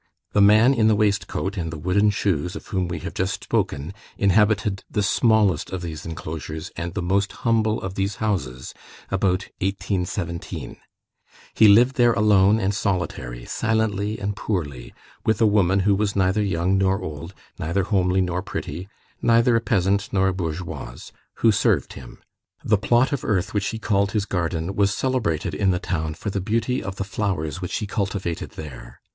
The man in the waistcoat and the wooden shoes of whom we have just spoken, inhabited the smallest of these enclosures and the most humble of these houses about 1817. He lived there alone and solitary, silently and poorly, with a woman who was neither young nor old, neither homely nor pretty, neither a peasant nor a bourgeoise, who served him. The plot of earth which he called his garden was celebrated in the town for the beauty of the flowers which he cultivated there.